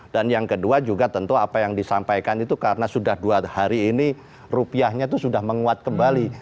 yang kedua juga tentu apa yang disampaikan itu karena sudah dua hari ini rupiahnya itu sudah menguat kembali